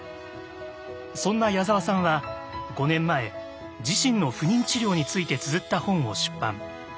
そんな矢沢さんは５年前自身の不妊治療についてつづった本を出版。